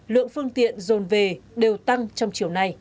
lượng phương tiện dồn về đều tăng trong chiều nay